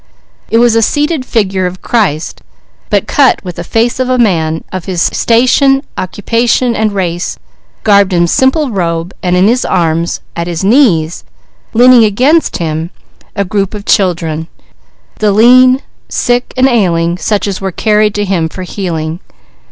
It was a seated figure of Christ, but cut with the face of a man of his station, occupation, and race, garbed in simple robe, and in his arms, at his knees, leaning against him, a group of children: the lean, sick and ailing, such as were carried to him for healing.